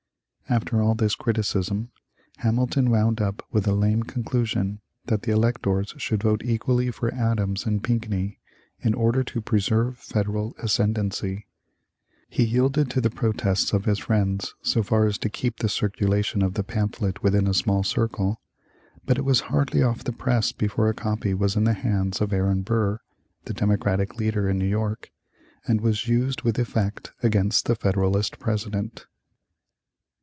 After all this criticism, Hamilton wound up with the lame conclusion that the electors should vote equally for Adams and Pinckney, in order to preserve Federal ascendency. He yielded to the protests of his friends so far as to keep the circulation of the pamphlet within a small circle, but it was hardly off the press before a copy was in the hands of Aaron Burr, the Democratic leader in New York, and was used with effect against the Federalist President.